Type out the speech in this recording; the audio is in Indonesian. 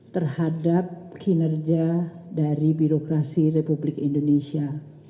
terhadap kinerja dari birokrasi republik indonesia